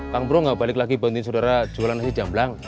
kang bro nggak balik lagi banting saudara jualan nasi jamblang